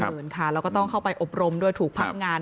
เราก็ต้องเข้าไปอบรมด้วยถูกพักงานด้วย